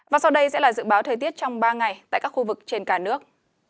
và sau đây sẽ là dự báo thời tiết trong ba ngày tại các khu vực trên cả nước